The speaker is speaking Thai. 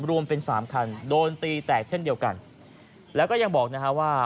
รวมเป็นสามคันโดนตีแตกเช่นเดียวกันแล้วก็ยังบอกนะฮะว่า